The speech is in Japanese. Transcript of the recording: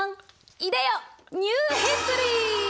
いでよニューヒストリー！